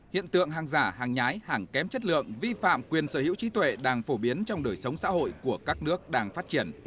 hiện tượng hàng giả hàng nhái hàng kém chất lượng vi phạm quyền sở hữu trí tuệ đang phổ biến trong đời sống xã hội của các nước đang phát triển